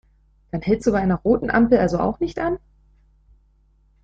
Dann hältst du bei einer roten Ampel also auch nicht an?